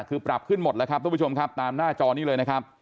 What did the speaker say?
คือปรับขึ้นหมดแล้วครับทุกผู้ชมครับตามหน้าจอนี้เลยนะครับ